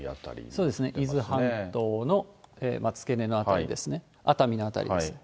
そうですね、伊豆半島の付け根の辺りですね、熱海の辺りです。